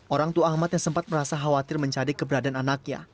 orangtu ahmad yang sempat merasa khawatir mencari keberadaan anaknya